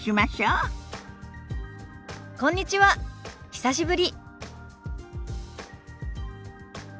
久しぶり。